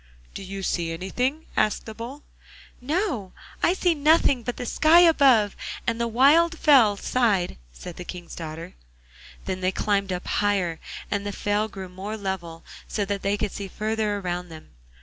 'Do you see anything?' asked the Bull. 'No, I see nothing but the sky above and the wild fell side,' said the King's daughter. Then they climbed up higher, and the fell grew more level, so that they could see farther around them.